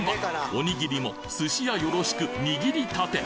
おにぎりも寿司屋よろしく握りたて！